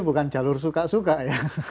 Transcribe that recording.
bukan jalur suka suka ya